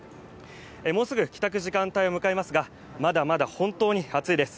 もうすぐ帰宅時間帯を迎えますがまだまだ本当に暑いです。